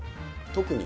特に？